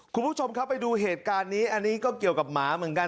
คุณผู้ชมครับไปดูเหตุการณ์นี้อันนี้ก็เกี่ยวกับหมาเหมือนกัน